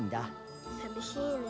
寂しいね。